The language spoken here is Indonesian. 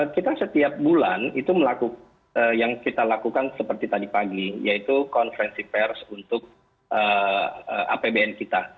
kita setiap bulan itu melakukan yang kita lakukan seperti tadi pagi yaitu konferensi pers untuk apbn kita